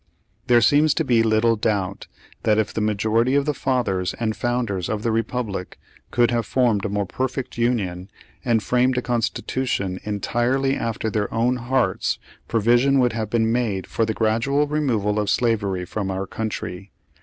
There seems to be little doubt that if the ma jority of the fathers and founders of the republic could have formed a more perfect union, and framed a constitution entirely after their own hearts, provision would have been made for the gradual removal of slavery from our country.